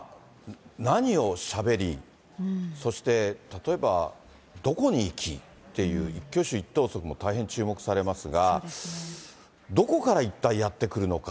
何をしゃべり、そして例えば、どこに行きっていう、一挙手一投足も大変注目されますが、どこから一体やって来るのか。